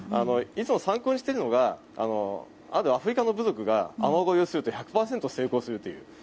いつも参考にしているのがあるアフリカの部族が雨ごいをすると１００％成功するという。